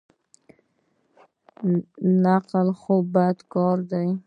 نقل خو بد کار دئ.